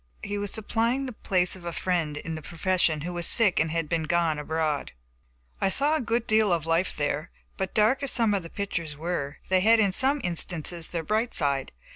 He was supplying the place of a friend in the profession, who was sick and had gone abroad. I saw a good deal of life there, but dark as some of the pictures were, they had in some instances their bright side.